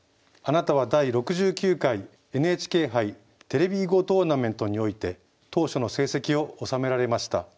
あなたは第６９回ＮＨＫ杯テレビ囲碁トーナメントにおいて頭書の成績をおさめられました。